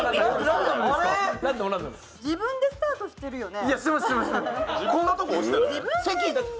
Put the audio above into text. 自分でスタートしてるよね？